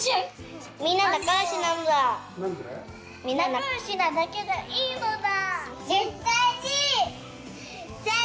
仲よしなだけでいいのだ！